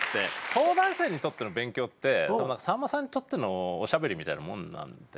東大生にとっての勉強ってさんまさんにとってのおしゃべりみたいなもんなんで。